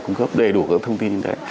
cung cấp đầy đủ các thông tin